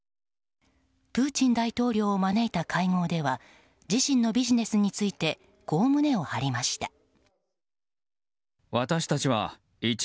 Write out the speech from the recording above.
プーチン大統領を招いた会合では自身のビジネスについてこう胸を張りました。